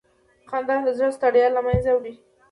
خندا د زړه ستړیا له منځه وړي.